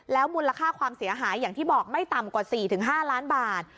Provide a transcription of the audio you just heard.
มูลค่าความเสียหายอย่างที่บอกไม่ต่ำกว่า๔๕ล้านบาท